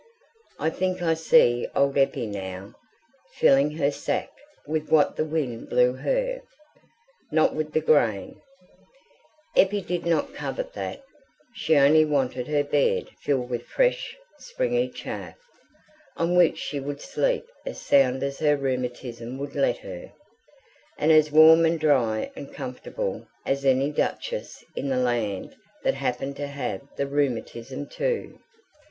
I think I see old Eppie now, filling her sack with what the wind blew her; not with the grain: Eppie did not covet that; she only wanted her bed filled with fresh springy chaff, on which she would sleep as sound as her rheumatism would let her, and as warm and dry and comfortable as any duchess in the land that happened to have the rheumatism too.